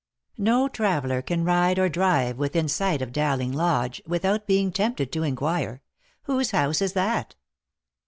No traveller can ride or drive within sight of Dowling Lodge, without being tempted to inquire, "Whose house is that